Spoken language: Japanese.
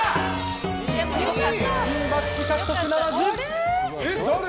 ピンバッジ獲得ならず。